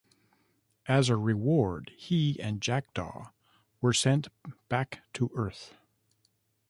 As a reward, he and Jackdaw were sent back to Earth.